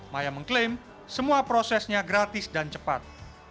maya mengklaim semua prosesnya gratis dan cepat